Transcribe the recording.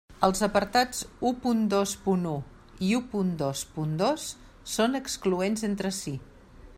Els apartats u punt dos punt u i u punt dos punt dos són excloents entre si.